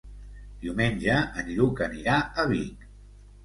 Diumenge en Lluc anirà a Vic.